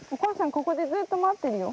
ここでずっと待ってるよ。